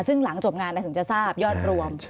ซึ่งหลังจบงานถึงจะทราบยอดรวม